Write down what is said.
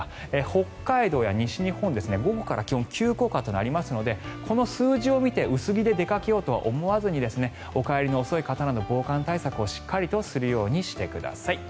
北海道や西日本、午後から気温急降下となりますのでこの数字を見て薄着で出かけようとは思わずにお帰りの遅い方など防寒対策をしっかりするようにしてください。